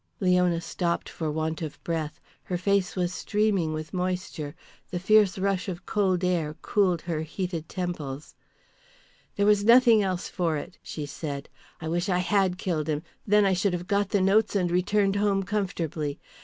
Leona stopped for want of breath. Her face was streaming with moisture. The fierce rush of cold air cooled her heated temples. "There was nothing else for it," she said. "I wish I had killed him, then I should have got the notes and returned home comfortably.